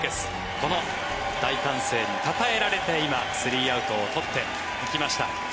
この大歓声に称えられて今３アウトを取っていきました。